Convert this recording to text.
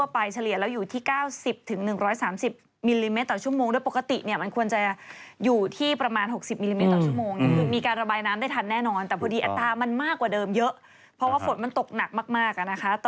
เพราะว่าฝนมันตกหนักมากอะนะคะ